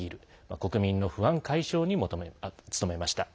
国民の不安解消に努めました。